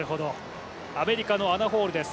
アメリカのアナ・ホールです